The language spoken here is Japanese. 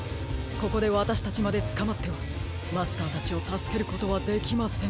ここでわたしたちまでつかまってはマスターたちをたすけることはできません。